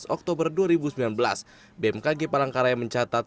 dua belas oktober dua ribu sembilan belas bmkg palangkaraya mencatat